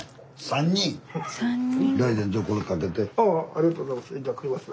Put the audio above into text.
ありがとうございます。